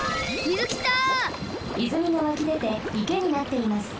いずみがわきでていけになっています。